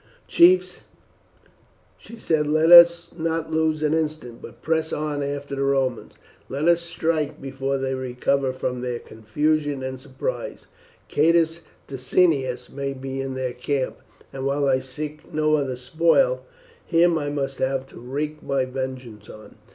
"Chiefs," she said, "let us not lose an instant, but press on after the Romans. Let us strike before they recover from their confusion and surprise. Catus Decianus may be in their camp, and while I seek no other spoil, him I must have to wreak my vengeance on.